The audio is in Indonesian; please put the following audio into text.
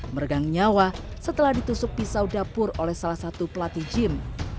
meregang nyawa setelah ditusuk pisau dapur oleh salah satu pelatih gym